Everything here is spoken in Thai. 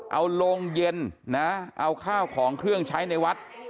เอาโรงเย็นนะเอาข้าวของเครื่องใช้ในวัด